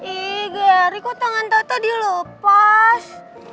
ih geri kok tangan tata dilepas